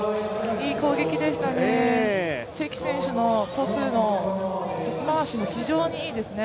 いい攻撃でしたね、関選手のトス回しも非常にいいですね。